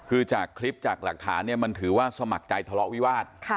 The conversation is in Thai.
คือจากคลิปจากหลักฐานเนี่ยมันถือว่าสมัครใจทะเลาะวิวาส